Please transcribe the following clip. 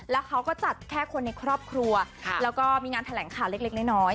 แล้วเขาก็จัดแค่คนในครอบครัวแล้วก็มีงานแถลงข่าวเล็กน้อย